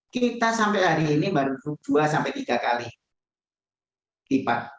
kita sampai hari ini baru dua tiga kali lipat